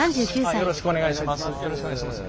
よろしくお願いします。